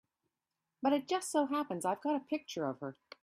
But it just so happens I've got a picture of her.